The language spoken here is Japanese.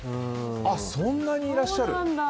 そんなにいらっしゃる。